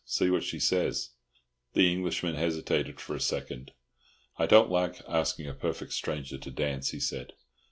See what she says." The Englishman hesitated for a second. "I don't like asking a perfect stranger to dance," he said.